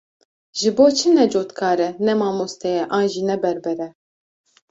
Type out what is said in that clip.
Ji bo çi ne cotkar e, ne mamoste ye, an jî ne berber e?